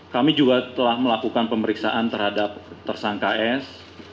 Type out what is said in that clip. kami juga telah melakukan pemeriksaan terhadap tersangka s